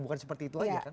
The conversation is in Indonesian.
bukan seperti itu aja kan